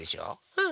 うん！